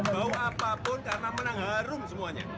bau apapun karena menang harum semuanya